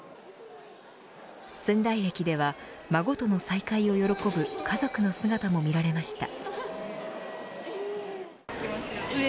仙台駅では孫との再会を喜ぶ家族の姿も見られました。